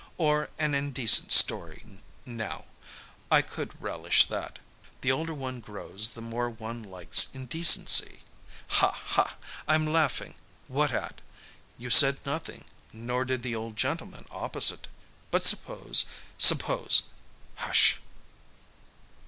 Or an indecent story, now I could relish that. The older one grows the more one likes indecency. Hah, hah! I'm laughing. What at? You said nothing, nor did the old gentleman opposite.... But suppose suppose Hush!"